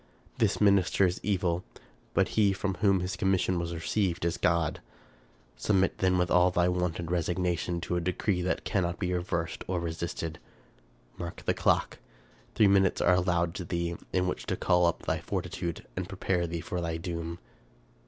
This minister is evil, but he from whom his commission was received is God. Submit then with all thy wonted resignation to a decree that cannot be reversed or resisted. Mark the clock. Three minutes are allowed to thee, in which to call up thy fortitude and prepare thee for thy doom."